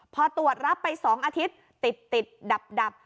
พอตรวจรับไป๒อาทิตย์ติดดับ